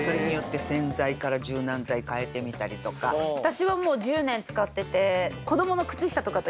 私はもう１０年使ってて。